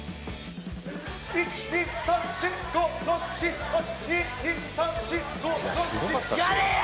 １２３４５６７８２２３４５６７やれや！